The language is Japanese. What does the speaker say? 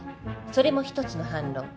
それも１つの反論。